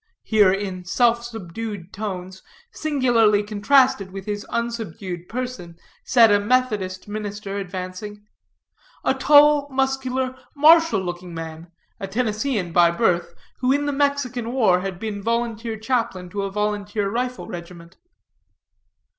here in self subdued tones, singularly contrasted with his unsubdued person, said a Methodist minister, advancing; a tall, muscular, martial looking man, a Tennessean by birth, who in the Mexican war had been volunteer chaplain to a volunteer rifle regiment.